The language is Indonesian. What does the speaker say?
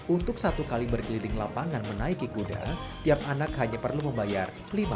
untuk satu kali berkeliling lapangan menaiki kuda tiap anak hanya perlu membayar lima rupiah